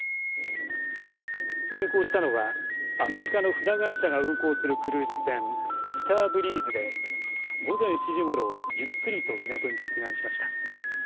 入港したのはアメリカの船会社が運航するクルーズ船スターブリーズで午前７時ごろ、ゆっくりと港に接岸しました。